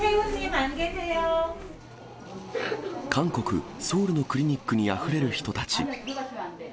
韓国・ソウルのクリニックにあふれる人たち。